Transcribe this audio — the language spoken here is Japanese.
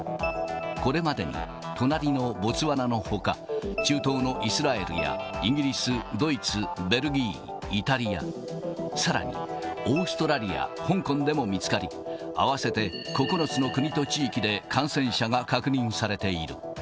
これまでに隣のボツワナのほか、中東のイスラエルやイギリス、ドイツ、ベルギー、イタリア、さらにオーストラリア、香港でも見つかり、合わせて９つの国と地域で感染者が確認されている。